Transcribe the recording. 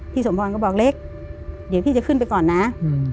สมพรก็บอกเล็กเดี๋ยวพี่จะขึ้นไปก่อนนะ